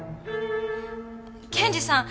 検事さん！